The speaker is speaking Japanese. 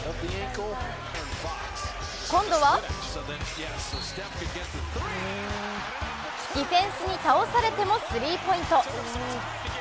今度はディフェンスに倒されてもスリーポイント。